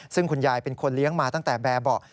ซึ่งคุณยายเป็นคนเลี้ยงมาตั้งแต่แบบเบาะ